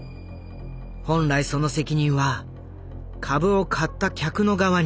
本来その責任は株を買った客の側にある。